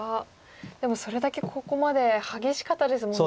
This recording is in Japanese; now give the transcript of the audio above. でもそれだけここまで激しかったですもんね。